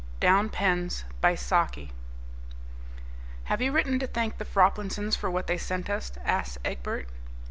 "DOWN PENS" "Have you written to thank the Froplinsons for what they sent us?" asked Egbert.